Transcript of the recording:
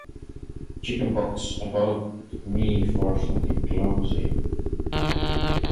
Chickenpox about me for something clumsy.